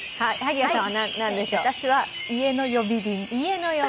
私は、家の呼び鈴。